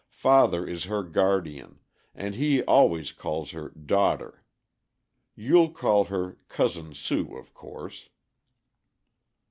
Father is her guardian, and he always calls her 'daughter.' You'll call her 'Cousin Sue,' of course."